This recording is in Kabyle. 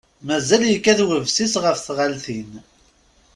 Mazal yekkat websis ɣef tɣaltin.